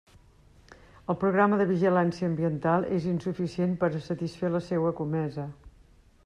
El programa de vigilància ambiental és insuficient per a satisfer la seua comesa.